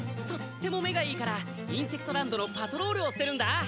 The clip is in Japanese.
とっても目がいいからインセクトランドのパトロールをしてるんだ。